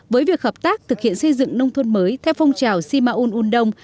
với việc hợp tác thực hiện xây dựng nông thuần mới theo phong trào simaun undong